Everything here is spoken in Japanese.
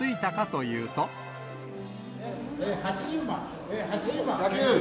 ８０万。